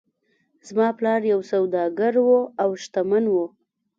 زما پلار یو سوداګر و او شتمن و.